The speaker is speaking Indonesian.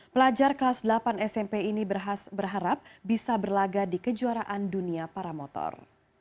pelajar kelas delapan smp ini berharap bisa berlaga di kejuaraan dunia para motor